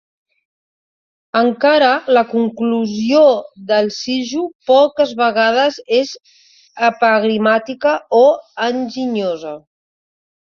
Encara, la conclusió del sijo poques vegades és epigramàtica o enginyosa.